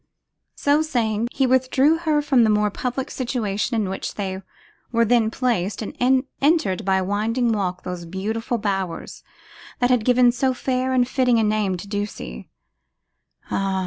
So saying, he withdrew her from the more public situation in which they were then placed, and entered, by a winding walk, those beautiful bowers that had given so fair and fitting a name to Ducie. Ah!